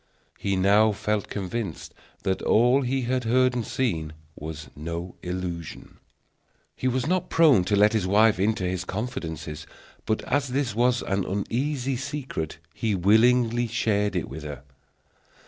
He now felt convinced that all he had heard and seen was no illusion. He was not prone to let his wife into his confidence; but as this was an uneasy secret, he willingly shared it with her.